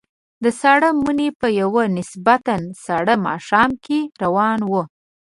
د ساړه مني په یوه نسبتاً ساړه ماښام کې روان وو.